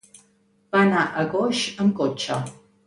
Va anar a Coix amb cotxe.